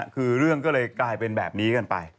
คือเรื่องก็เลยกลายเป็นแบบนี้กันไป